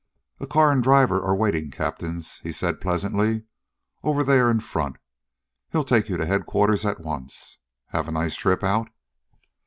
"A car and driver are waiting, Captains," he said pleasantly. "Over there in front. He'll take you to Headquarters at once. Have a nice trip out?"